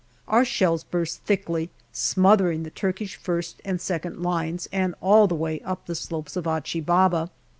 Our shells burst thickly, smothering the Turkish first and second lines and all the way up the slopes of Achi Baba.